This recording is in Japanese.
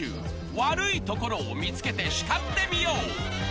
［悪いところを見つけて叱ってみよう］